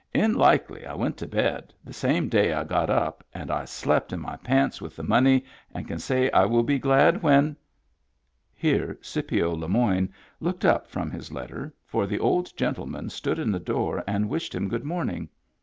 " In Likely I went to bed the same day I got up and I slept in my pants with the money and can say I will be glad when •*—" Here Scipio Le Moyne looked up from his letter, for the old gentleman stood in the door and wished him good morning.